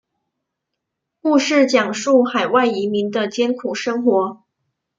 故事讲述海外移民的艰苦生活。